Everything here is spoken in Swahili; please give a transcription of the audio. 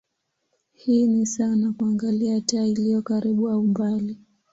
Hii ni sawa na kuangalia taa iliyo karibu au mbali.